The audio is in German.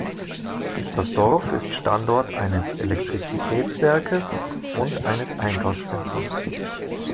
Das Dorf ist Standort eines Elektrizitätswerks und eines Einkaufszentrums.